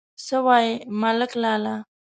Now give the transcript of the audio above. _څه وايي، ملک لالا؟